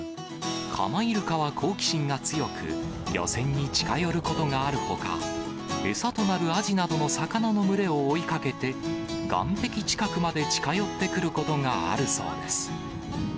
カマイルカは好奇心が強く、漁船に近寄ることがあるほか、餌となるアジなどの魚の群れを追いかけて、岸壁近くまで近寄ってくることがあるそうです。